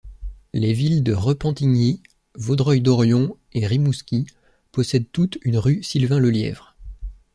Les villes de Repentigny, Vaudreuil-Dorion et Rimouski possèdent toutes une rue Sylvain-Lelièvre.